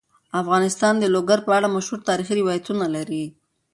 افغانستان د لوگر په اړه مشهور تاریخی روایتونه لري.